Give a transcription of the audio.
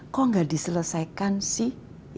kok tidak diselesaikan sih